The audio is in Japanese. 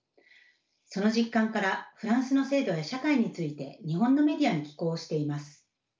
その実感からフランスの制度や社会について日本のメディアに寄稿をしています。